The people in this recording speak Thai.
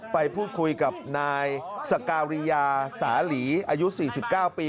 ไปพูดคุยกับนายสการิยาสาหลีอายุ๔๙ปี